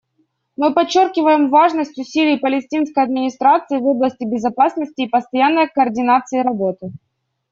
Мы подчеркиваем важность усилий Палестинской администрации в области безопасности и постоянной координации работы.